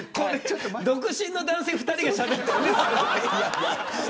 独身男性２人がしゃべってる。